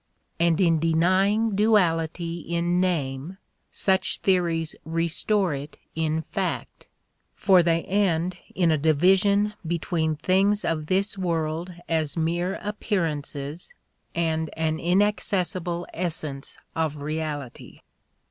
And in denying duality in name such theories restore it in fact, for they end in a division between things of this world as mere appearances and an inaccessible essence of reality.